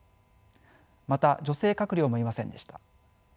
また女性閣僚もいませんでした。